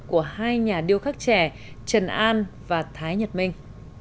của hai nhà điêu khắc trẻ trần an và thái nhật minh